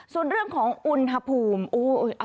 ส่วนเรื่องของอุณหภูมิ